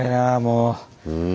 うん。